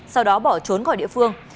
sau đó bỏ trốn khỏi địa phương